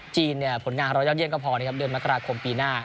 จีนเนี่ยผลงานรอยเลือกเดียวก็พอนะครับเดือนมกราคมปีหน้า